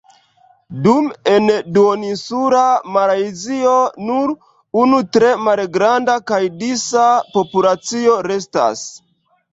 Dume en duoninsula Malajzio nur unu tre malgranda kaj disa populacio restas.